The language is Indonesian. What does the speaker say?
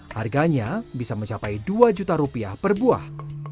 harganya bisa mencapai rp dua juta per buah